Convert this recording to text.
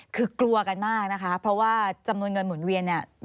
คือกลัวกันมากนะคะเพราะว่าจำนวนเงินหมุนเวียนเนี่ย